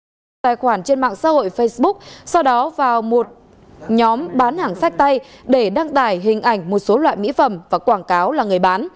phi đã đăng ký tài khoản trên mạng xã hội facebook sau đó vào một nhóm bán hàng sách tay để đăng tải hình ảnh một số loại mỹ phẩm và quảng cáo là người bán